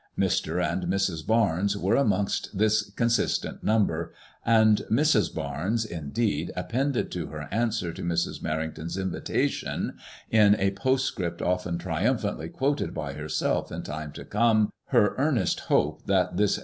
Mr. and Mrs. Barnes were amongst this consistent number, and Mrs. Barnes, in deed, appended to her answer to Mrs. Merrington's invitation — in a postscript often triumphantly quoted by herself in time to come — her earnest hope that this MADEMOISELLE IXB.